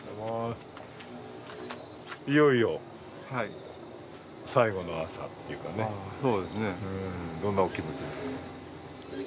いよいよ最後の朝というかね、どんなお気持ちですか。